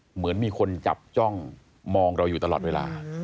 เหมือนมีคนจับจ้องมองเราอยู่ตลอดเวลา